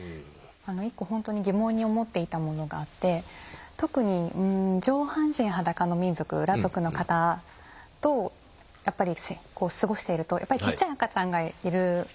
一個ほんとに疑問に思っていたものがあって特に上半身裸の民族裸族の方と過ごしているとやっぱりちっちゃい赤ちゃんがいるわけですよね。